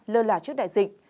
lơ lả trước đại dịch